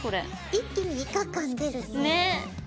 一気にイカ感出るね。ね！